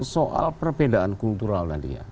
soal perbedaan kultural nadia